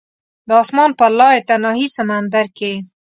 د اسمان په لایتناهي سمندر کې